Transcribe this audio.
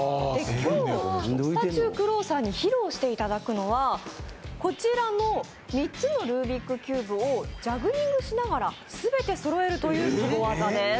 スタチュークロウさんに披露していただくのは、こちらの３つのルービックキューブをジャグリングしながら全てそろえるというスゴ技です。